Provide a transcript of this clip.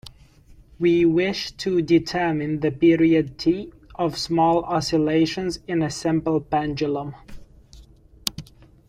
We wish to determine the period "T" of small oscillations in a simple pendulum.